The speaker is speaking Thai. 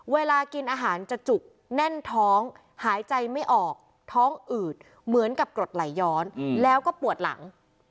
เวลากินอาหารจะจุกแน่นท้องหายใจไม่ออกท้องอืดเหมือนกับกรดไหลย้อนแล้วก็ปวดหลัง